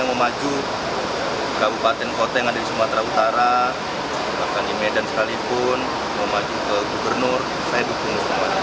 menanggapi hal ini bobi nasution menyatakan akan mendukung siapapun